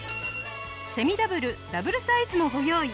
セミダブルダブルサイズもご用意。